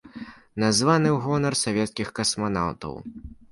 Названы ў гонар савецкіх касманаўтаў.